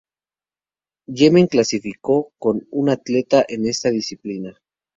Yemen clasificó a un atleta en esta disciplina.